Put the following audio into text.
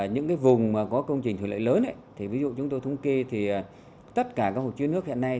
những vùng có công trình thủ lợi lớn ví dụ chúng tôi thống kê thì tất cả hồ chứa nước hiện nay